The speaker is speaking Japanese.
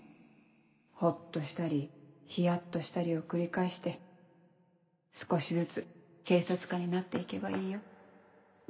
ホッとしたりヒヤっとしたりを繰り返して少しずつ警察官になって行けばいいよ